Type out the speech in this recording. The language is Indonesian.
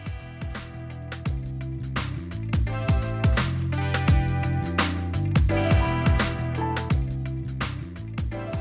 dan menyediakan peta berantakan